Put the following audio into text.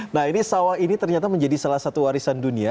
nah ini sawah ini ternyata menjadi salah satu warisan dunia